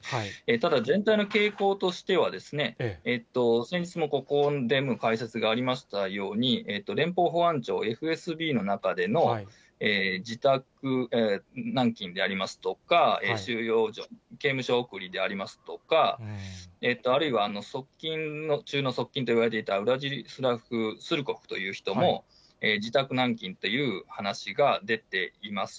ただ、全体の傾向としてはですね、先日もここでも解説がありましたように、連邦保安庁・ＦＳＢの中での自宅軟禁でありますとか、刑務所送りでありますとか、あるいは、側近中の側近といわれていた、スルコフという人も、自宅軟禁という話が出ています。